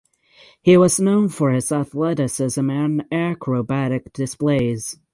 He was known for his athleticism and acrobatic displays.